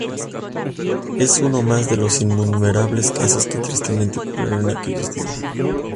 Es uno más de los innumerables casos que tristemente ocurrieron en aquellos días.